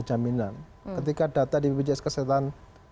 jaminan ketika data di bpjs kesehatan